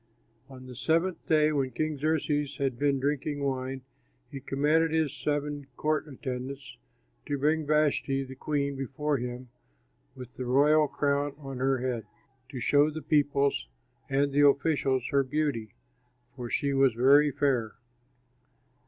On the seventh day, when King Xerxes had been drinking wine, he commanded his seven court attendants to bring Vashti, the queen, before him with the royal crown on her head, to show the peoples and the officials her beauty, for she was very fair.